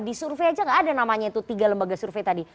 di survei aja gak ada namanya itu tiga lembaga survei tadi